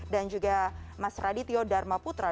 dan juga mas radityo dharmaputra